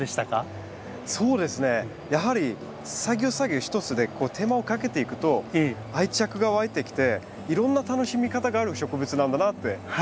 そうですねやはり作業作業一つで手間をかけていくと愛着がわいてきていろんな楽しみ方がある植物なんだなって知りました。